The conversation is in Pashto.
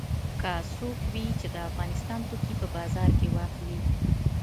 که څوک وي چې د افغانستان توکي په بازار کې واخلي.